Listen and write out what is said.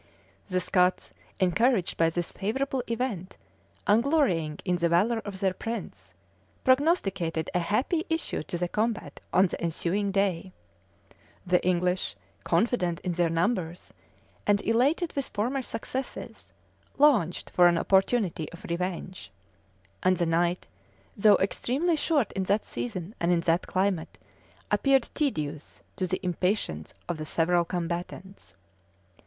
The Scots, encouraged by this favorable event, and glorying in the valor of their prince, prognosticated a happy issue to the combat on the ensuing day: the English, confident in their numbers, and elated with former successes, longed for an opportunity of revenge; and the night, though extremely short in that season and in that climate, appeared tedious to the impatience of the several combatants.